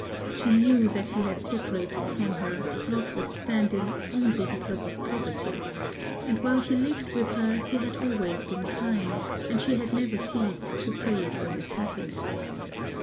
She knew that he had separated from her, notwithstanding, only because of poverty; and while he lived with her, he had always been kind; and she had never ceased to pray for his happiness.